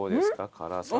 辛さ。